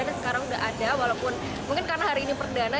dan sekarang sudah ada walaupun mungkin karena hari ini perdana